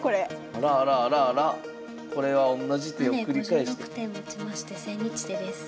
あらあらあらあら？まで５６手をもちまして千日手です。